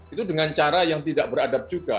itu dengan cara yang tidak beradab juga